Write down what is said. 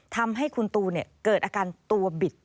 ทำให้คุณตูเกิดอาการตัวบิด